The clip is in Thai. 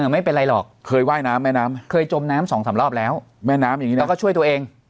ไม่เป็นไรหรอกเคยว่ายน้ำแม่น้ำเคยจมน้ำสองสามรอบแล้วแล้วก็ช่วยตัวเอง